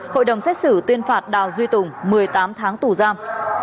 hội đồng xét xử tuyên phạt đào duy tùng một mươi tám tháng tù giam